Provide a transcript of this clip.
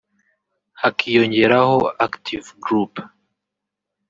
hakiyongeraho; Active Group